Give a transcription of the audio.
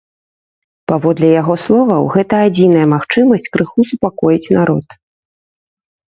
Паводле яго словаў, гэта адзіная магчымасць крыху супакоіць народ.